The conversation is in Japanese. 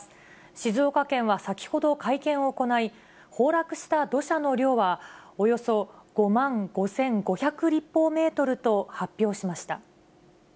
静岡県は先ほど会見を行い、崩落した土砂の量は、およそ５万５５００立方メートルと発表しました。